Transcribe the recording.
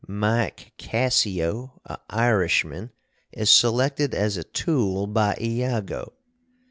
Mike Cassio, a Irishman, is selected as a tool by Iago.